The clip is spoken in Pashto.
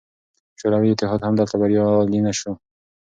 شوروي اتحاد هم دلته بریالی نه شو.